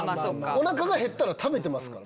おなかがへったら食べてますから。